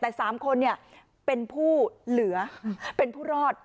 แต่๓คนเป็นผู้เหลือเป็นผู้รอด